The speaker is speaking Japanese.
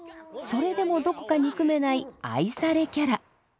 それでもどこか憎めない愛されキャラ。